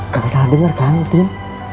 kau bisa denger kan pin